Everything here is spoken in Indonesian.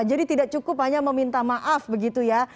tidak cukup hanya meminta maaf begitu ya